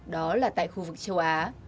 đó là tại khu vực châu á